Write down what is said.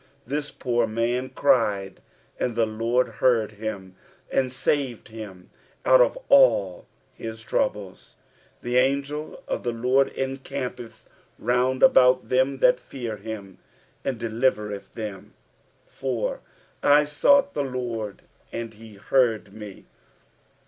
6 This poor man cried, and the LORD heard him, and saved him out of all his troubles. 7 The angel of the LORD encampeth round about them that fear him, and delivereth them. 4. "/ aoughl the Lord, and he heard me."